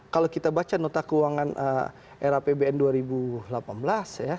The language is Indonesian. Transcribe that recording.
kalau kita baca nota keuangan era pbn dua ribu delapan belas ya